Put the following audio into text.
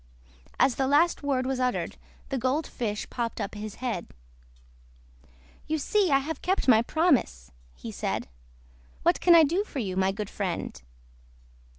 As the last word was uttered the Gold Fish popped up his head. "You see I have kept my promise," he said. "What can I do for you, my good friend?"